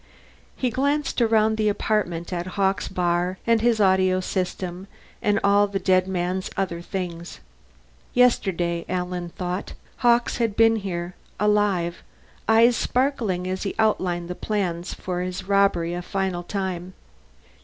He glanced around the apartment at Hawkes' bar and his audio system and all the dead man's other things. Yesterday, Alan thought, Hawkes had been here, alive, eyes sparkling as he outlined the plans for the robbery a final time.